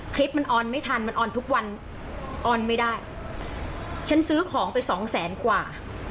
คลิปมันออนไม่ทันมันออนทุกวันออนไม่ได้ฉันซื้อของไปสองแสนกว่า